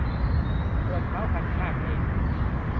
ส่วนท้าวคันคากเอง